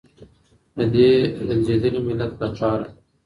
د دې رنځېدلي ملت لپاره.